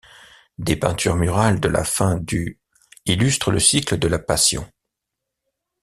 Des peintures murales de la fin du illustrent le cycle de la Passion.